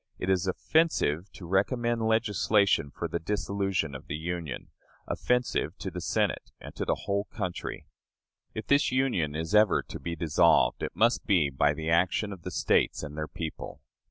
It is offensive to recommend legislation for the dissolution of the Union offensive to the Senate and to the whole country. If this Union is ever to be dissolved, it must be by the action of the States and their people.